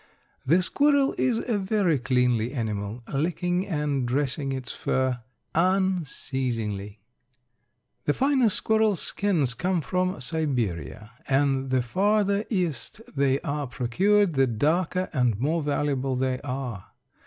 The squirrel is a very cleanly animal, licking and dressing its fur unceasingly. The finest squirrel skins come from Siberia, and the farther east they are procured the darker and more valuable they are.